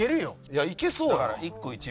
いやいけそうやな。